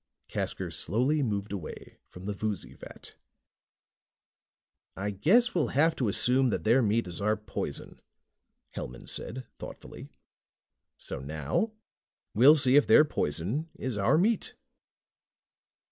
Casker slowly moved away from the Voozy vat. "I guess we'll have to assume that their meat is our poison," Hellman said thoughtfully. "So now we'll see if their poison is our meat."